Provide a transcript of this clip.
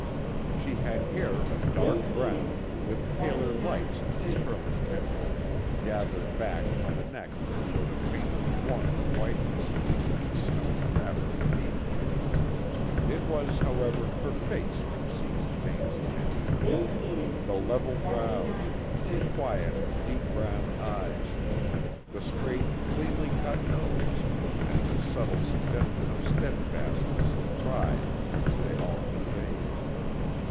She had hair of dark brown with paler lights in its curling tendrils, gathered back from a neck that showed a faintly warmer whiteness, than the snowy fabric beneath it. It was, however, her face which seized Vane's attention; the level brows, the quiet, deep brown eyes, the straight, cleanly cut nose, and the subtle suggestion of steadfastness and pride which they all conveyed.